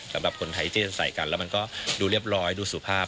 สำหรับคนไทยที่จะใส่กันแล้วมันก็ดูเรียบร้อยดูสุภาพ